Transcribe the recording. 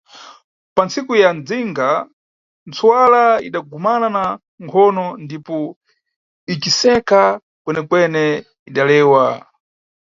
Pa ntsiku ya mdzinga, ntsuwala idagumana na nkhono ndipo iciseka kwene-kwene idalewa.